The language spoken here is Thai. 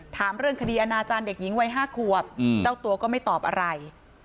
ถามเรื่องคดีอนาจารย์เด็กหญิงวัย๕ขวบเจ้าตัวก็ไม่ตอบอะไร